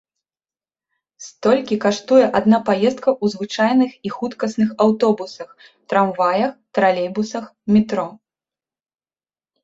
Столькі каштуе адна паездка ў звычайных і хуткасных аўтобусах, трамваях, тралейбусах, метро.